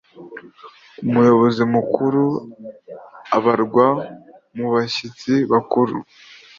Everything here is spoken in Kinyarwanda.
Umuyobozi Mukuru abarwa mu bashyitsi bakuru